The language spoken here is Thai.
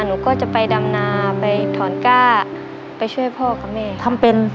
หนูก็จะไปดำนาไปถอนก้าไปช่วยพ่อกับแม่ทำเป็น